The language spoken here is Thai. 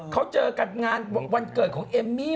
เขาเจอกันงานวันเกิดของเอมมี่